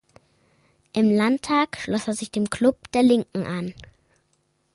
Im Landtag schloss er sich dem Club der Linken an.